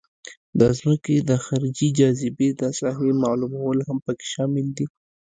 د ځمکې د خارجي جاذبې د ساحې معلومول هم پکې شامل دي